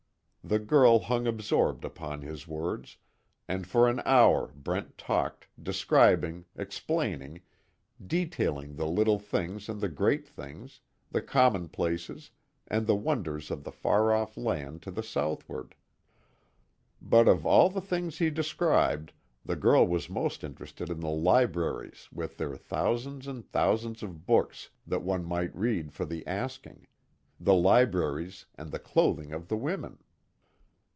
The girl hung absorbed upon his words, and for an hour Brent talked, describing, explaining, detailing the little things and the great things, the common places, and the wonders of the far off land to the southward. But of all the things he described, the girl was most interested in the libraries with their thousands and thousands of books that one might read for the asking the libraries, and the clothing of the women.